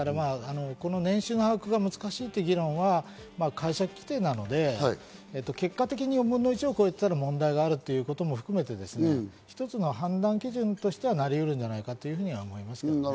年収の把握は難しいという議論は解釈規定なので、結果的に４分の１を超えていたら問題があるということも含めて、一つの判断基準としてなりうるのではないかと思います。